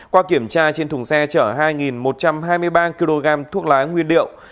qua kiểm tra trên thùng xe chở hai một trăm hai mươi ba kg thuốc lá nguyên liệu